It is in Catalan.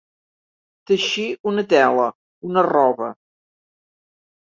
Teixir una tela, una roba.